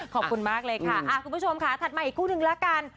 ขอบคุณมากเลยค่ะคุณผู้ชมค่ะถัดมาอีกคู่นึงละกัน